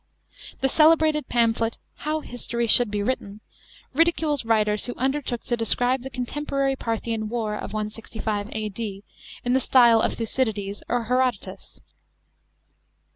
The celebrated pamphlet How History should be written^, ridicules writers who undertook to describe the contemporary Parthian war of 165 A.D. in tue style of Thucydides or Herodotus.